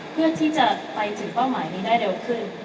เพื่อที่จะไปถึงเป้าหมายนี้ได้เร็วขึ้น